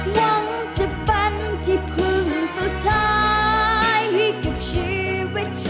หวังจะฝันที่พึ่งสุดท้ายให้กับชีวิต